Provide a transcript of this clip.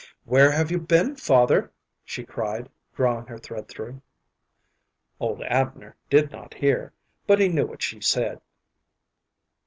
"Where have you been, father?" she cried, drawing her thread through. Old Abner did not hear, but he knew what she said.